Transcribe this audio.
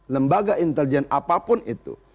lembaga intelijen apapun itu